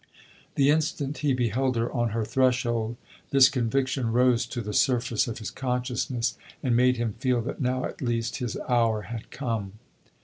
The instant he beheld her on her threshold this conviction rose to the surface of his consciousness and made him feel that now, at least, his hour had come.